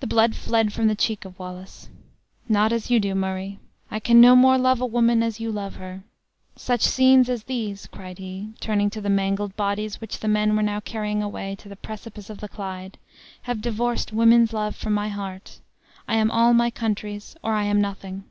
The blood fled from the cheek of Wallace. "Not as you do, Murray; I can no more love a woman as you love her. Such scenes as these," cried he, turning to the mangled bodies which the men were now carrying away to the precipice of the Clyde, "have divorced woman's love from my heart. I am all my country's, or I am nothing."